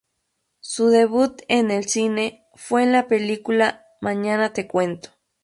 Su debut en el cine fue en la película "Mañana te cuento".